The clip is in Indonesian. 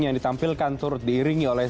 yang ditampilkan turut diiringi oleh